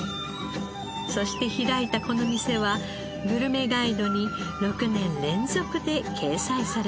そして開いたこの店はグルメガイドに６年連続で掲載されています。